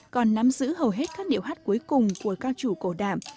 còn nắm giữ hầu hết các điệu hát cuối cùng của các chủ cổ đạm